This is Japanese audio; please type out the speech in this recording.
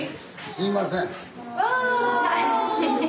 すいません。